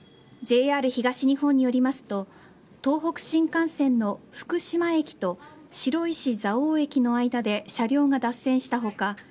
ＪＲ東日本によりますと東北新幹線の福島駅と白石蔵王駅の間で車両が脱線した他